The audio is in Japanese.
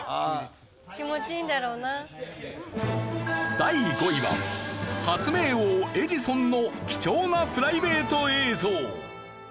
第５位は発明王エジソンの貴重なプライベート映像。